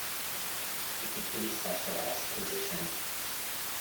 It's a pretty specialized position.